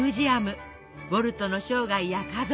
ウォルトの生涯や家族